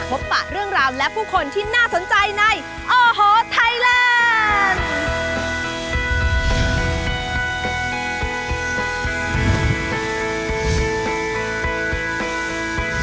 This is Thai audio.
ปะเรื่องราวและผู้คนที่น่าสนใจในโอ้โหไทยแลนด์